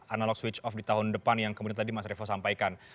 analog switch off di tahun depan yang kemudian tadi mas revo sampaikan